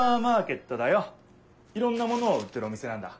いろんな物を売ってるお店なんだ。